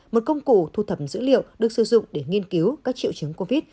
một công cụ thu thập dữ liệu được sử dụng để nghiên cứu các triệu chứng covid